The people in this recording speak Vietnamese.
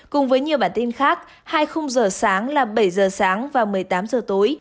cùng với nhiều bản tin khác hai mươi h sáng là bảy h sáng và một mươi tám h tối